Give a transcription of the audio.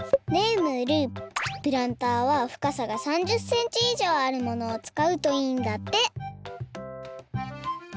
ねえムールプランターは深さが３０センチ以上あるものを使うといいんだって！